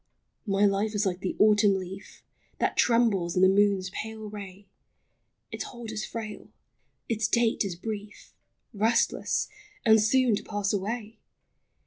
231 My life is like the autumn leaf That trembles in the moon's pale ray ; Its hold is frail, — its date is brief, Restless, and soon to pass away